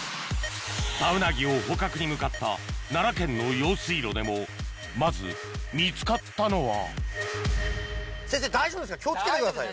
タウナギを捕獲に向かった奈良県の用水路でもまず見つかったのは気を付けてくださいよ。